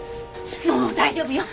もう大丈夫よ。